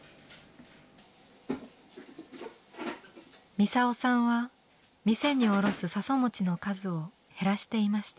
ミサオさんは店に卸す笹餅の数を減らしていました。